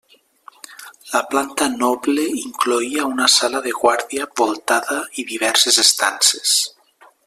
La planta noble incloïa una sala de guàrdia voltada i diverses estances.